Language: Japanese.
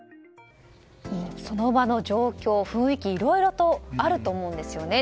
その場の状況、雰囲気いろいろとあると思うんですよね。